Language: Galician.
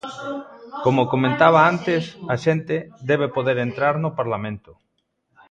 Como comentaba antes, a xente debe poder entrar no Parlamento.